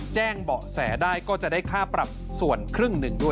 แจ้งเบาะแสได้ก็จะได้ค่าปรับส่วนครึ่งหนึ่งด้วย